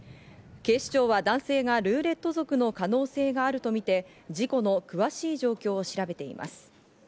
警視庁は男性がルーレット族の可能性があるとみて、事故の詳しい状況を調べています。